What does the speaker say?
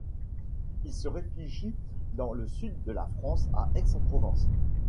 Il se réfugie dans le sud de la France à Aix-en-Provence.